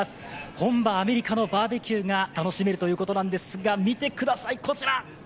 本場アメリカのバーベキューが楽しめるということなんですが、見てください、こちら！